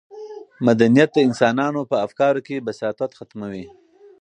مدنیت د انسانانو په افکارو کې بساطت ختموي.